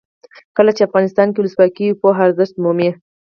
کله چې افغانستان کې ولسواکي وي پوهه ارزښت مومي.